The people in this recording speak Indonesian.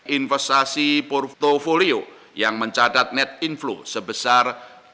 investasi portfolio yang mencadat net influx sebesar